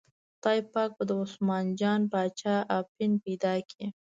خدای پاک به د عثمان جان باچا اپین پیدا کړي.